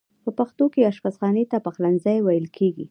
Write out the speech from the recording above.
په پښتو کې آشپز خانې ته پخلنځی ویل کیږی.